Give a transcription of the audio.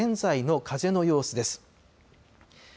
現在の風の様子です。